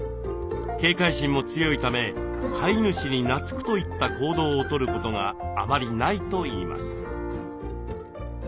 警戒心も強いため飼い主になつくといった行動をとることがあまりないといいます。